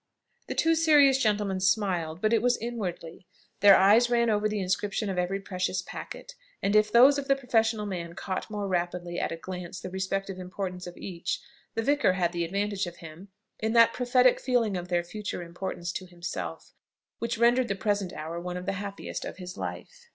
The two serious gentlemen smiled, but it was inwardly. Their eyes ran over the inscription of every precious packet; and if those of the professional man caught more rapidly at a glance the respective importance of each, the vicar had the advantage of him in that prophetic feeling of their future importance to himself, which rendered the present hour one of the happiest of his life.